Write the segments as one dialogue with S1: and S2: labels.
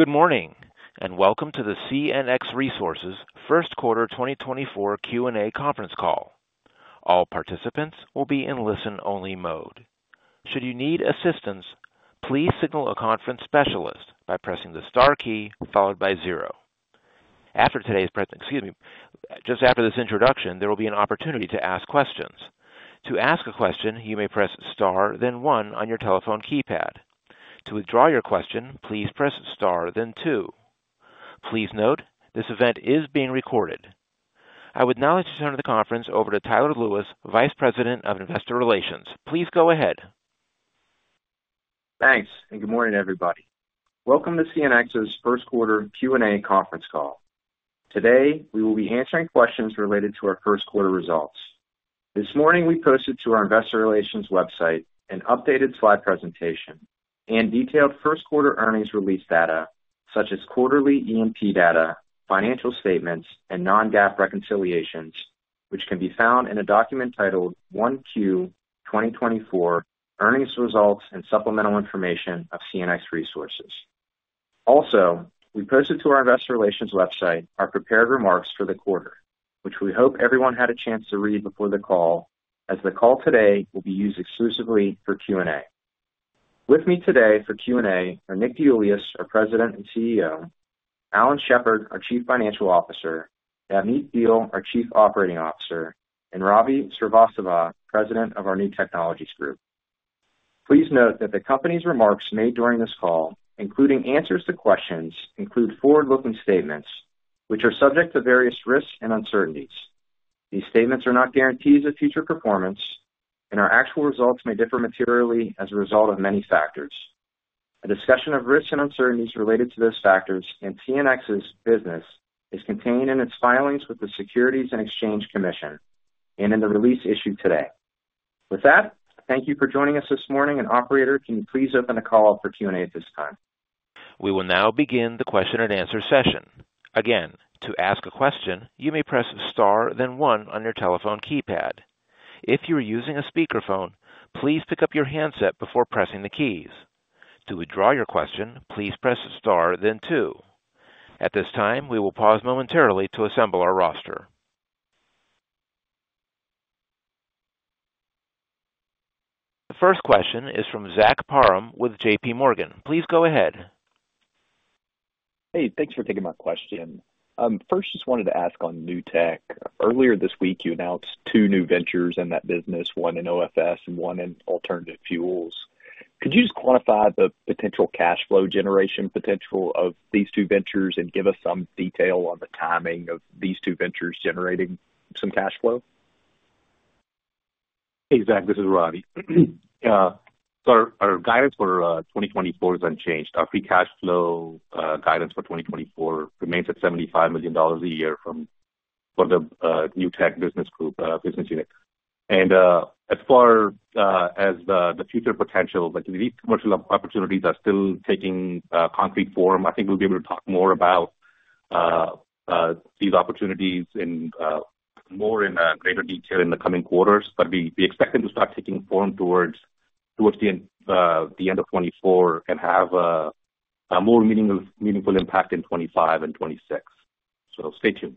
S1: Good morning and welcome to the CNX Resources First Quarter 2024 Q&A Conference Call. All participants will be in listen-only mode. Should you need assistance, please signal a conference specialist by pressing the star key followed by 0. Just after this introduction, there will be an opportunity to ask questions. To ask a question, you may press star then 1 on your telephone keypad. To withdraw your question, please press star then 2. Please note, this event is being recorded. I would now like to turn the conference over to Tyler Lewis, Vice President of Investor Relations. Please go ahead.
S2: Thanks and good morning, everybody. Welcome to CNX's First Quarter Q&A Conference Call. Today we will be answering questions related to our First Quarter results. This morning we posted to our Investor Relations website an updated slide presentation and detailed First Quarter earnings release data such as quarterly E&P data, financial statements, and non-GAAP reconciliations, which can be found in a document titled "1Q 2024: Earnings Results and Supplemental Information of CNX Resources." Also, we posted to our Investor Relations website our prepared remarks for the quarter, which we hope everyone had a chance to read before the call, as the call today will be used exclusively for Q&A. With me today for Q&A are Nick DeIuliis, our President and CEO; Alan Shepard, our Chief Financial Officer; Navneet Behl, our Chief Operating Officer; and Ravi Srivastava, President of our New Technologies. Please note that the company's remarks made during this call, including answers to questions, include forward-looking statements which are subject to various risks and uncertainties. These statements are not guarantees of future performance, and our actual results may differ materially as a result of many factors. A discussion of risks and uncertainties related to those factors and CNX's business is contained in its filings with the Securities and Exchange Commission and in the release issued today. With that, thank you for joining us this morning, and operator, can you please open the call up for Q&A at this time?
S1: We will now begin the question-and-answer session. Again, to ask a question, you may press star then one on your telephone keypad. If you are using a speakerphone, please pick up your handset before pressing the keys. To withdraw your question, please press star then two. At this time, we will pause momentarily to assemble our roster. The first question is from Zach Parham with JPMorgan. Please go ahead.
S3: Hey, thanks for taking my question. First, just wanted to ask on new tech. Earlier this week you announced two new ventures in that business, one in OFS and one in alternative fuels. Could you just quantify the potential cash flow generation potential of these two ventures and give us some detail on the timing of these two ventures generating some cash flow?
S4: Hey, Zach. This is Ravi. So our guidance for 2024 is unchanged. Our Free Cash Flow guidance for 2024 remains at $75 million a year from the new tech business group business unit. And as far as the future potential, like, these commercial opportunities are still taking concrete form, I think we'll be able to talk more about these opportunities in greater detail in the coming quarters. But we expect them to start taking form towards the end of 2024 and have a more meaningful impact in 2025 and 2026. So stay tuned.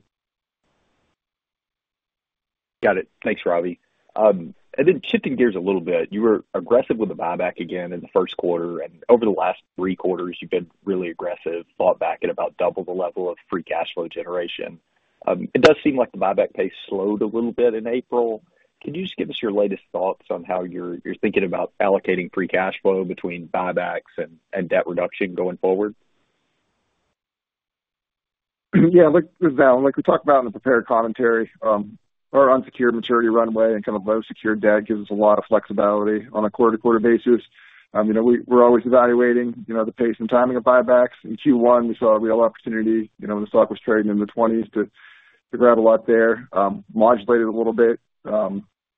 S3: Got it. Thanks, Ravi. And then shifting gears a little bit, you were aggressive with the buyback again in the first quarter, and over the last three quarters you've been really aggressive, bought back at about double the level of Free Cash Flow generation. It does seem like the buyback pace slowed a little bit in April. Could you just give us your latest thoughts on how you're, you're thinking about allocating Free Cash Flow between buybacks and, and debt reduction going forward?
S5: Yeah, look, with Alan, like we talked about in the prepared commentary, our unsecured maturity runway and kind of low-secured debt gives us a lot of flexibility on a quarter-to-quarter basis. You know, we, we're always evaluating, you know, the pace and timing of buybacks. In Q1 we saw a real opportunity, you know, when the stock was trading in the 20s to, to grab a lot there. Modulated a little bit,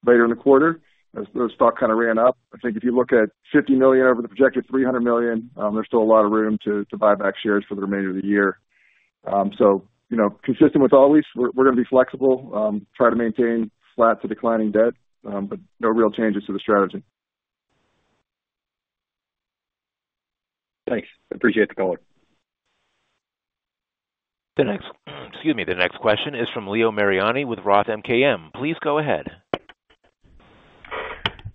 S5: later in the quarter as the stock kind of ran up. I think if you look at $50 million over the projected $300 million, there's still a lot of room to, to buy back shares for the remainder of the year. So, you know, consistent with always, we're, we're going to be flexible, try to maintain flat to declining debt, but no real changes to the strategy.
S6: Thanks. Appreciate the caller.
S1: next, excuse me, the next question is from Leo Mariani with Roth MKM. Please go ahead.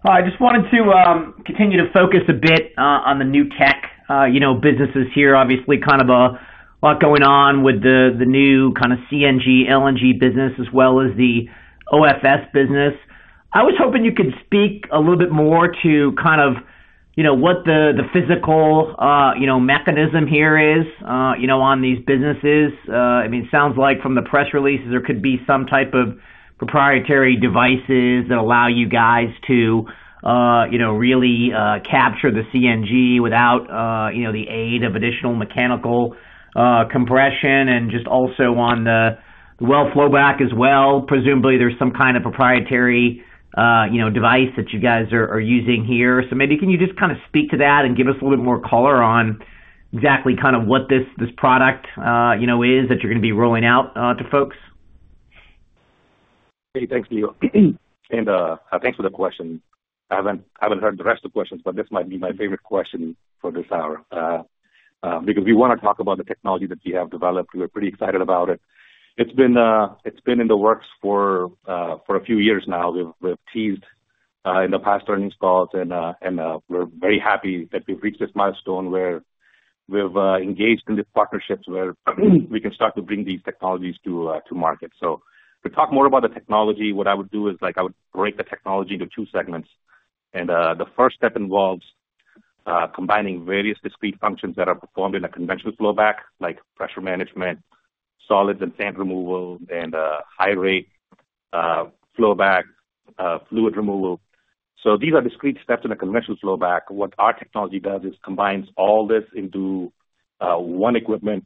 S7: Hi. I just wanted to continue to focus a bit on the new tech, you know, businesses here. Obviously, kind of a lot going on with the new kind of CNG, LNG business as well as the OFS business. I was hoping you could speak a little bit more to kind of, you know, what the physical, you know, mechanism here is, you know, on these businesses. I mean, it sounds like from the press releases there could be some type of proprietary devices that allow you guys to, you know, really capture the CNG without, you know, the aid of additional mechanical compression and just also on the well flowback as well. Presumably there's some kind of proprietary, you know, device that you guys are using here. Maybe can you just kind of speak to that and give us a little bit more color on exactly kind of what this, this product, you know, is that you're going to be rolling out, to folks?
S4: Hey, thanks, Leo. Thanks for the question. I haven't heard the rest of the questions, but this might be my favorite question for this hour, because we want to talk about the technology that we have developed. We are pretty excited about it. It's been in the works for a few years now. We've teased in the past earnings calls and we're very happy that we've reached this milestone where we've engaged in these partnerships where we can start to bring these technologies to market. So to talk more about the technology, what I would do is, like, I would break the technology into two segments. The first step involves combining various discrete functions that are performed in a conventional flowback, like pressure management, solids and sand removal, and high-rate flowback fluid removal. So these are discrete steps in a conventional flowback. What our technology does is combines all this into one piece of equipment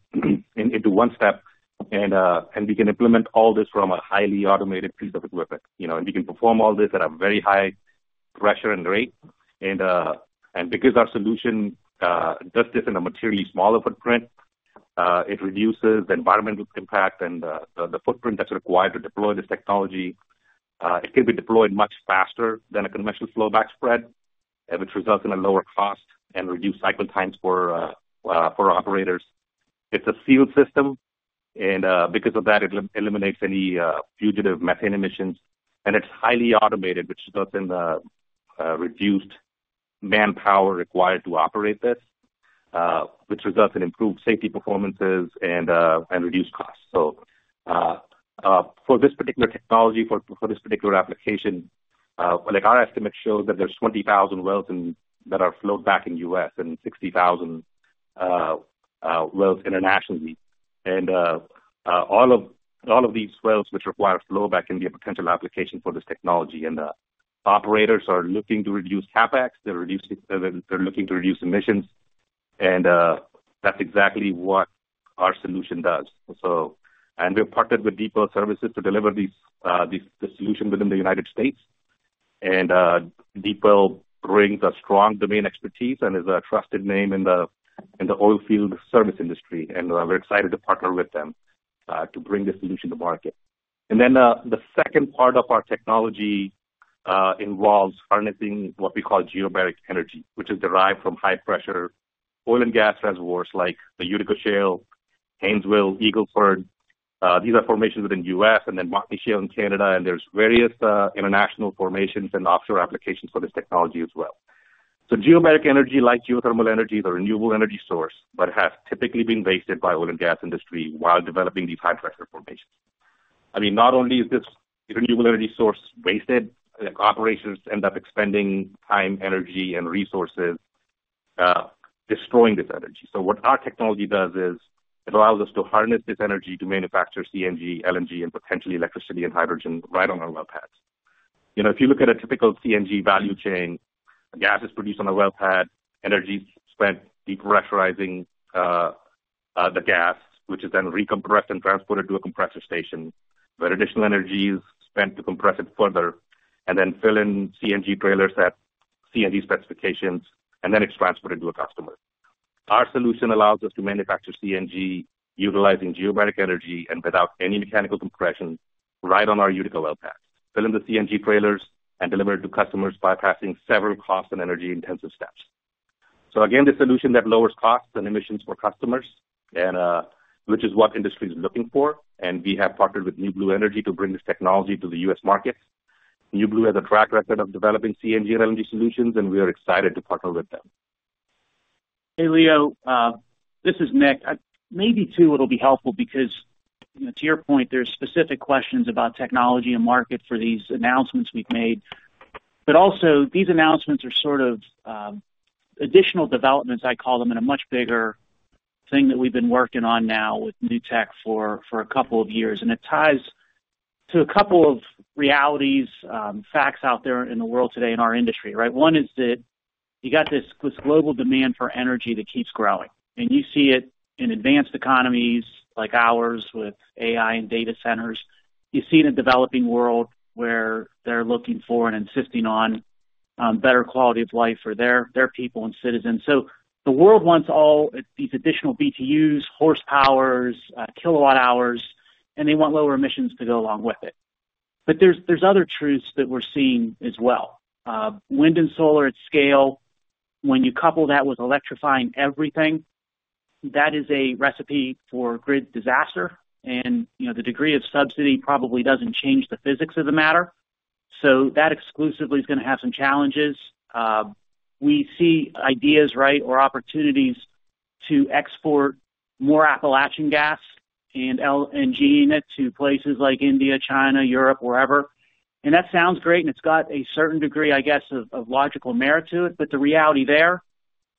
S4: into one step, and we can implement all this from a highly automated piece of equipment, you know, and we can perform all this at a very high pressure and rate. And because our solution does this in a materially smaller footprint, it reduces the environmental impact and the footprint that's required to deploy this technology. It can be deployed much faster than a conventional flowback spread, which results in a lower cost and reduced cycle times for operators. It's a sealed system, and because of that it eliminates any fugitive methane emissions. And it's highly automated, which results in reduced manpower required to operate this, which results in improved safety performances and reduced costs. So, for this particular technology, for this particular application, like, our estimate shows that there's 20,000 wells that are flowed back in the U.S. and 60,000 wells internationally. And, all of these wells, which require flowback, can be a potential application for this technology. And the operators are looking to reduce CapEx. They're looking to reduce emissions. And, that's exactly what our solution does. So we've partnered with Deep Well Services to deliver the solution within the United States. And, Deep Well Services brings a strong domain expertise and is a trusted name in the oilfield service industry. And, we're excited to partner with them, to bring this solution to market. And then, the second part of our technology involves harnessing what we call Geobaric Energy, which is derived from high-pressure oil and gas reservoirs like the Utica Shale, Haynesville, Eagle Ford. These are formations within the U.S. and then Montney Shale in Canada. There's various international formations and offshore applications for this technology as well. Geobaric Energy, like geothermal energy, is a renewable energy source but has typically been wasted by the oil and gas industry while developing these high-pressure formations. I mean, not only is this renewable energy source wasted, like, operations end up expending time, energy, and resources, destroying this energy. So what our technology does is it allows us to harness this energy to manufacture CNG, LNG, and potentially electricity and hydrogen right on our well pads. You know, if you look at a typical CNG value chain, gas is produced on a well pad, energy's spent decompressurizing the gas, which is then recompressed and transported to a compressor station, where additional energy's spent to compress it further and then fill CNG trailers at CNG specifications, and then it's transported to a customer. Our solution allows us to manufacture CNG utilizing geobaric energy and without any mechanical compression right on our Utica well pads, fill the CNG trailers, and deliver it to customers bypassing several cost and energy-intensive steps. So again, this solution that lowers costs and emissions for customers, which is what industry's looking for. We have partnered with NuBlu Energy to bring this technology to the US market. NuBlu Energy has a track record of developing CNG and LNG solutions, and we are excited to partner with them.
S8: Hey, Leo. This is Nick. I maybe too, it'll be helpful because, you know, to your point, there's specific questions about technology and market for these announcements we've made. But also, these announcements are sort of, additional developments, I call them, in a much bigger thing that we've been working on now with new tech for a couple of years. And it ties to a couple of realities, facts out there in the world today in our industry, right? One is that you got this global demand for energy that keeps growing. And you see it in advanced economies like ours with AI and data centers. You see it in a developing world where they're looking for and insisting on better quality of life for their people and citizens. So the world wants all these additional BTUs, horsepowers, kilowatt-hours, and they want lower emissions to go along with it. But there's other truths that we're seeing as well. Wind and solar at scale, when you couple that with electrifying everything, that is a recipe for grid disaster. And, you know, the degree of subsidy probably doesn't change the physics of the matter. So that exclusively's going to have some challenges. We see ideas, right, or opportunities to export more Appalachian gas and LNG in it to places like India, China, Europe, wherever. And that sounds great, and it's got a certain degree, I guess, of logical merit to it. But the reality there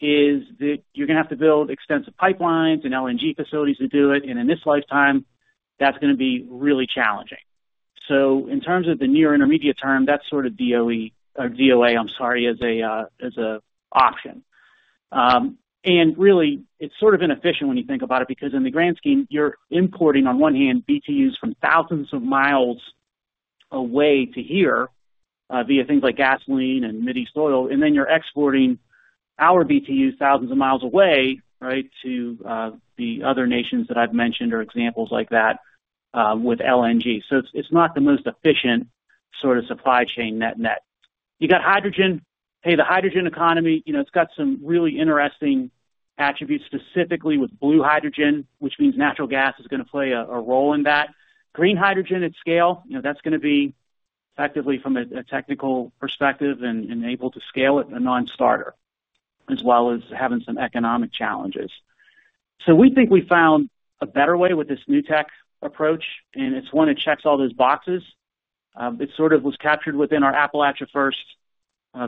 S8: is that you're going to have to build extensive pipelines and LNG facilities to do it. And in this lifetime, that's going to be really challenging. So in terms of the near intermediate term, that's sort of DOE or DOA, I'm sorry, as an option. And really, it's sort of inefficient when you think about it because in the grand scheme, you're importing on one hand BTUs from thousands of miles away to here, via things like gasoline and diesel. And then you're exporting our BTUs thousands of miles away, right, to the other nations that I've mentioned or examples like that, with LNG. So it's not the most efficient sort of supply chain net-net. You got hydrogen. Hey, the hydrogen economy, you know, it's got some really interesting attributes specifically with blue hydrogen, which means natural gas is going to play a role in that. Green hydrogen at scale, you know, that's going to be effectively from a technical perspective and able to scale it a non-starter as well as having some economic challenges. So we think we found a better way with this new tech approach, and it's one that checks all those boxes. It sort of was captured within our Appalachia First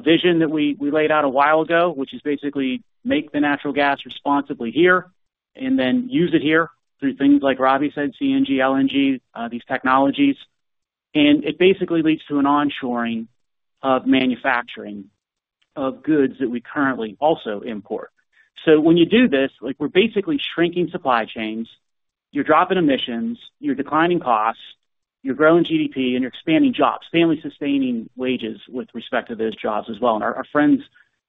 S8: vision that we laid out a while ago, which is basically make the natural gas responsibly here and then use it here through things like Ravi said, CNG, LNG, these technologies. And it basically leads to an onshoring of manufacturing of goods that we currently also import. So when you do this, like, we're basically shrinking supply chains. You're dropping emissions. You're declining costs. You're growing GDP, and you're expanding jobs, family-sustaining wages with respect to those jobs as well. And our friends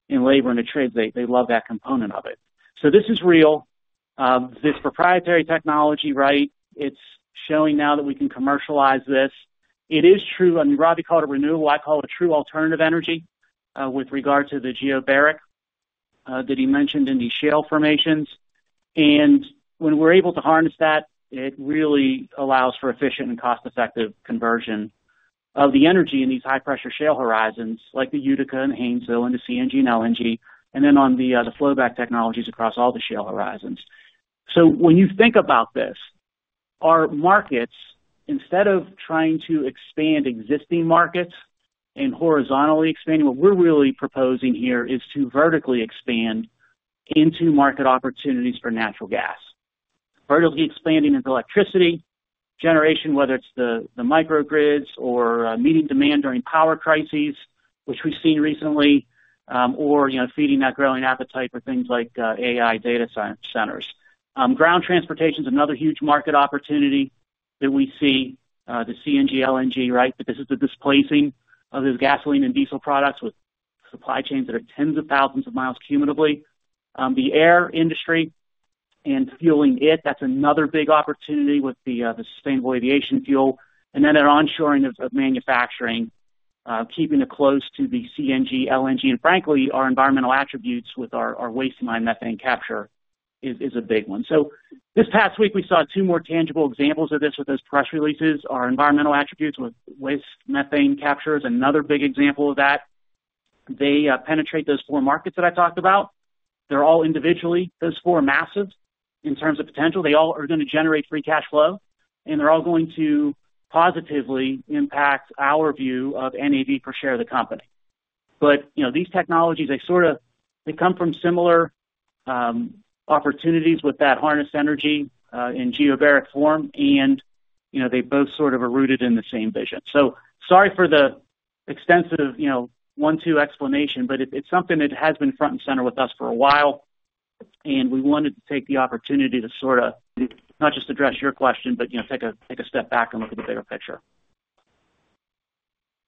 S8: in labor and the trades, they love that component of it. So this is real. This proprietary technology, right, it's showing now that we can commercialize this. It is true, I mean, Ravi called it renewable. I call it a true alternative energy, with regard to the geobaric that he mentioned in these shale formations. And when we're able to harness that, it really allows for efficient and cost-effective conversion of the energy in these high-pressure shale horizons like the Utica and Haynesville and the CNG and LNG, and then on the flowback technologies across all the shale horizons. So when you think about this, our markets, instead of trying to expand existing markets and horizontally expanding, what we're really proposing here is to vertically expand into market opportunities for natural gas, vertically expanding into electricity generation, whether it's the microgrids or meeting demand during power crises, which we've seen recently, or, you know, feeding that growing appetite for things like AI data centers. Ground transportation's another huge market opportunity that we see, the CNG, LNG, right, because of the displacing of those gasoline and diesel products with supply chains that are tens of thousands of miles cumulatively. The air industry and fueling it, that's another big opportunity with the Sustainable Aviation Fuel. And then that onshoring of manufacturing, keeping it close to the CNG, LNG, and frankly, our environmental attributes with our waste mine methane capture is a big one. So this past week, we saw two more tangible examples of this with those press releases. Our environmental attributes with waste methane capture is another big example of that. They penetrate those four markets that I talked about. They're all individually, those four, massive in terms of potential. They all are going to generate Free Cash Flow, and they're all going to positively impact our view of NAV per share of the company. But, you know, these technologies, they sort of they come from similar opportunities with that harnessed energy, in geobaric form. And, you know, they both sort of are rooted in the same vision. So sorry for the extensive, you know, one-two explanation, but it's, it's something that has been front and center with us for a while. We wanted to take the opportunity to sort of not just address your question, but, you know, take a step back and look at the bigger picture.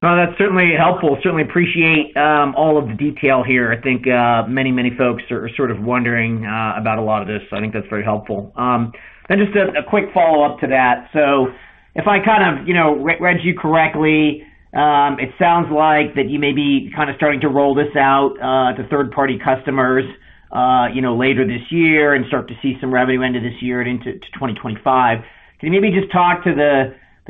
S7: No, that's certainly helpful. Certainly appreciate, all of the detail here. I think, many, many folks are sort of wondering, about a lot of this. So I think that's very helpful. Then just a quick follow-up to that. So if I kind of, you know, re-read you correctly, it sounds like that you may be kind of starting to roll this out, to third-party customers, you know, later this year and start to see some revenue end of this year and into 2025. Can you maybe just talk to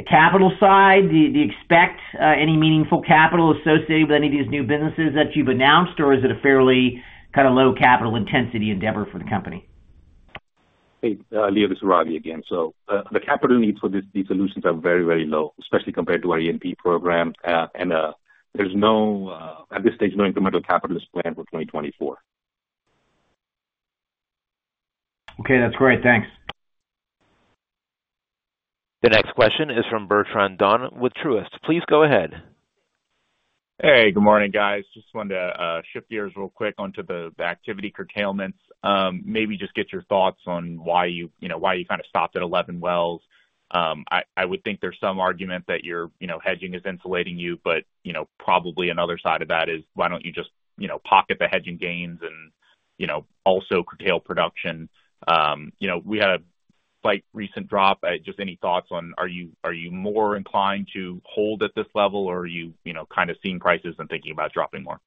S7: the capital side? Do you expect, any meaningful capital associated with any of these new businesses that you've announced, or is it a fairly kind of low capital intensity endeavor for the company?
S4: Hey, Leo. This is Ravi again. So, the capital needs for these, these solutions are very, very low, especially compared to our ENP program. There's no, at this stage, no incremental capital planned for 2024.
S7: Okay. That's great. Thanks.
S1: The next question is from Bertrand Donnes with Truist. Please go ahead.
S9: Hey. Good morning, guys. Just wanted to shift gears real quick onto the activity curtailments. Maybe just get your thoughts on why you know, why you kind of stopped at 11 wells. I would think there's some argument that your you know, hedging is insulating you. But you know, probably another side of that is, why don't you just you know, pocket the hedging gains and you know, also curtail production? You know, we had a quite recent drop. Just any thoughts on are you more inclined to hold at this level, or are you you know, kind of seeing prices and thinking about dropping more?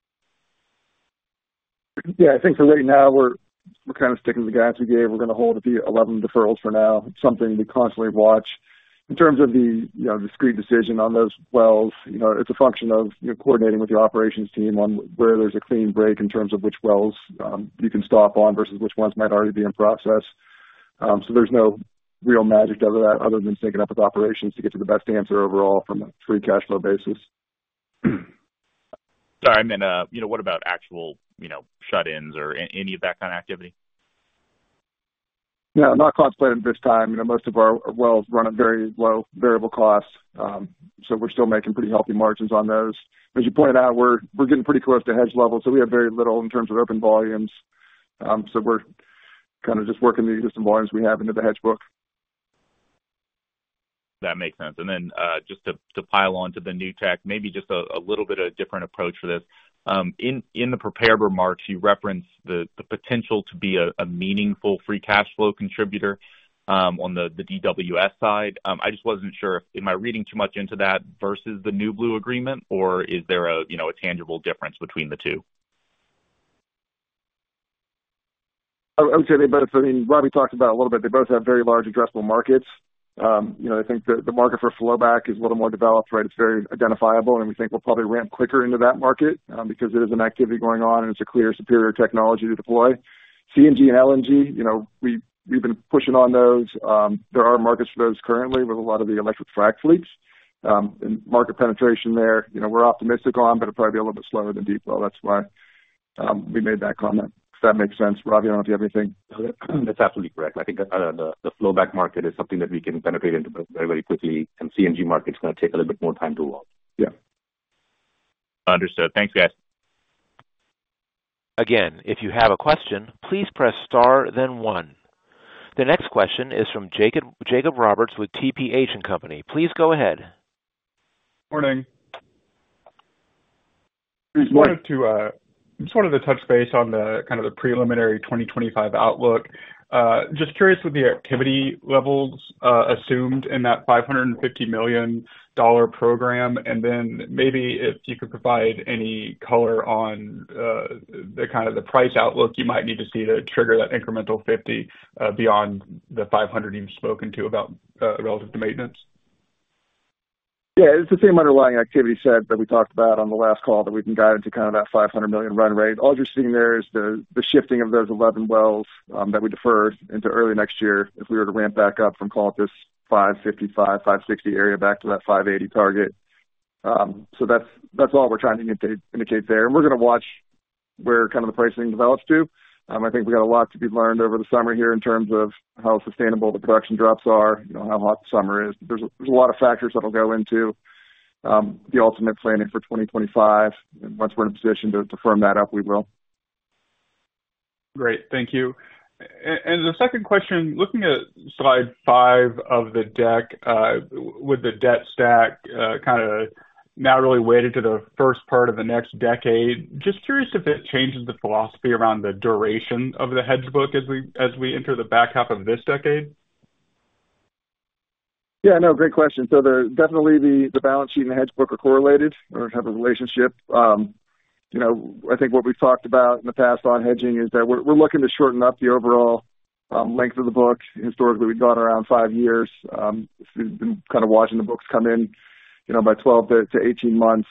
S5: Yeah. I think for right now, we're kind of sticking to the guidance we gave. We're going to hold at the 11 deferrals for now, something we constantly watch. In terms of the, you know, discrete decision on those wells, you know, it's a function of, you know, coordinating with your operations team on where there's a clean break in terms of which wells, you can stop on versus which ones might already be in process. So there's no real magic to other than syncing up with operations to get to the best answer overall from a Free Cash Flow basis.
S9: Sorry. I meant, you know, what about actual, you know, shut-ins or any of that kind of activity?
S5: No. Not contemplated at this time. You know, most of our, our wells run at very low variable costs. So we're still making pretty healthy margins on those. As you pointed out, we're, we're getting pretty close to hedge level. So we have very little in terms of open volumes. So we're kind of just working the existing volumes we have into the hedge book.
S9: That makes sense. And then, just to pile onto the new tech, maybe just a little bit of a different approach for this. In the prepared remarks, you referenced the potential to be a meaningful Free Cash Flow contributor, on the DWS side. I just wasn't sure if am I reading too much into that versus the NuBlu agreement, or is there, you know, a tangible difference between the two?
S5: I would say they both—I mean, Ravi talked about it a little bit. They both have very large addressable markets. You know, I think the market for flowback is a little more developed, right? It's very identifiable. And we think we'll probably ramp quicker into that market, because it is an activity going on, and it's a clear superior technology to deploy. CNG and LNG—you know, we've been pushing on those. There are markets for those currently with a lot of the electric frac fleets. And market penetration there—you know, we're optimistic on, but it'll probably be a little bit slower than Deep Well. That's why we made that comment, if that makes sense. Ravi, I don't know if you have anything.
S4: That's absolutely correct. I think the flowback market is something that we can penetrate into very, very quickly. CNG market's going to take a little bit more time to evolve.
S5: Yeah.
S9: Understood. Thanks, guys.
S1: Again, if you have a question, please press star, then one. The next question is from Jacob Roberts with TPH & Co. Please go ahead.
S10: Morning.
S5: Good morning.
S10: I just wanted to, I just wanted to touch base on the kind of the preliminary 2025 outlook. Just curious with the activity levels assumed in that $550 million program. And then maybe if you could provide any color on the kind of the price outlook you might need to see to trigger that incremental $50, beyond the $500 you've spoken to about, relative to maintenance.
S5: Yeah. It's the same underlying activity set that we talked about on the last call that we can guide into kind of that $500 million run rate. All you're seeing there is the, the shifting of those 11 wells, that we deferred into early next year if we were to ramp back up from, call it, this 555-560 area back to that 580 target. So that's, that's all we're trying to indicate there. And we're going to watch where kind of the pricing develops too. I think we got a lot to be learned over the summer here in terms of how sustainable the production drops are, you know, how hot the summer is. But there's a, there's a lot of factors that'll go into, the ultimate planning for 2025. And once we're in a position to, to firm that up, we will.
S10: Great. Thank you. And the second question, looking at slide five of the deck, with the debt stack, kind of now really weighted to the first part of the next decade, just curious if it changes the philosophy around the duration of the hedge book as we enter the back half of this decade?
S5: Yeah. No. Great question. So, definitely, the balance sheet and the hedge book are correlated or have a relationship. You know, I think what we've talked about in the past on hedging is that we're looking to shorten up the overall length of the book. Historically, we've gone around five years. We've been kind of watching the books come in, you know, by 12-18 months.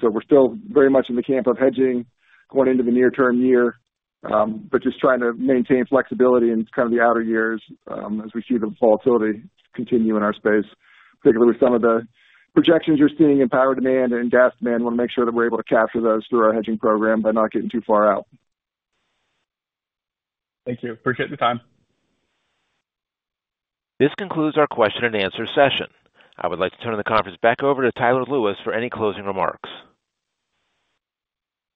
S5: So we're still very much in the camp of hedging going into the near-term year, but just trying to maintain flexibility in kind of the outer years, as we see the volatility continue in our space, particularly with some of the projections you're seeing in power demand and gas demand. We want to make sure that we're able to capture those through our hedging program by not getting too far out.
S10: Thank you. Appreciate the time.
S1: This concludes our question-and-answer session. I would like to turn the conference back over to Tyler Lewis for any closing remarks.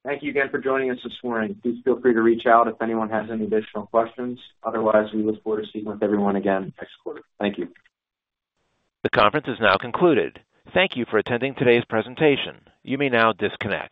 S2: Thank you again for joining us this morning. Please feel free to reach out if anyone has any additional questions. Otherwise, we look forward to speaking with everyone again next quarter. Thank you.
S1: The conference is now concluded. Thank you for attending today's presentation. You may now disconnect.